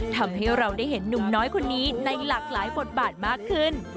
ทำให้เราได้เห็นหนุ่มน้อยคนนี้ในหลากหลายบทบาทมากขึ้น